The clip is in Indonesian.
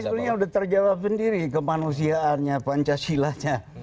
tadi sebenarnya sudah terjawab sendiri kemanusiaannya pancasila nya